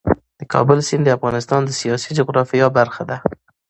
د کابل سیند د افغانستان د سیاسي جغرافیه برخه ده.